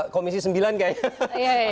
komisi sembilan kayaknya